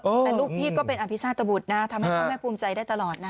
แต่ลูกพี่ก็เป็นอภิชาตบุตรนะทำให้พ่อแม่ภูมิใจได้ตลอดนะ